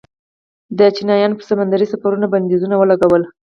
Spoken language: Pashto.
د چینایانو پر سمندري سفرونو بندیزونه ولګول.